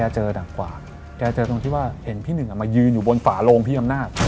เจอมายืนอยู่บนฝาโรงพิธรรมนาจ